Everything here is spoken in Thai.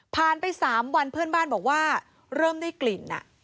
ไป๓วันเพื่อนบ้านบอกว่าเริ่มได้กลิ่น